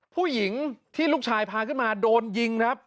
ผู้หญิงที่ลูกชายพาขึ้นมาโดนยิงครับ